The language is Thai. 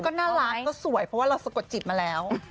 ก็น่ารักก็สวยเพราะว่าเราสะกดจิตมาแล้ว